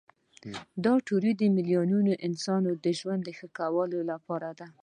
دا تیوري د میلیاردونو انسانانو د ژوند د ښه والي لپاره ده.